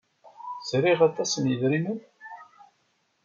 Sriɣ aṭas n yidrimen?